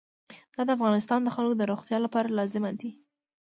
دا د افغانستان د خلکو د روغتیا لپاره لازم دی.